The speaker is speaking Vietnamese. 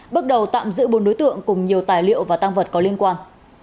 bước đầu tạm giữ bốn đối tượng cùng nhiều tài liệu và tăng vật có liên quan